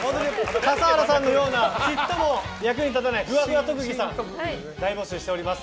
笠原さんのようなちっとも役に立たないふわふわ特技さん大募集しております。